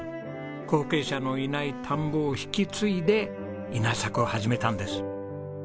後継者のいない田んぼを引き継いで稲作を始めたんです。